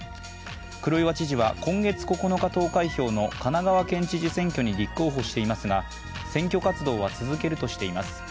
黒岩知事は今月９日投開票の神奈川県知事選挙に立候補していますが、選挙活動は続けるとしています。